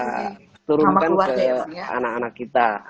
menurunkan ke anak anak kita